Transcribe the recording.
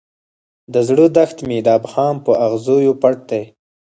د زړه دښت مې د ابهام په اغزیو پټ دی.